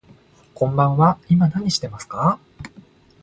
こんばんは、今何してますか。